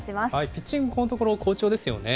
ピッチング、このところ、好調ですよね。